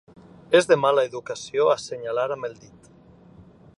És de mala educació assenyalar amb el dit.